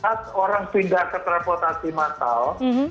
pas orang pindah ke transportasi masal